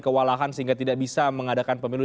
kewalahan sehingga tidak bisa mengadakan pemilu